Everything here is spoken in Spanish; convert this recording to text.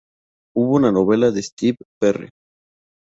Hubo una novela de Steve Perry.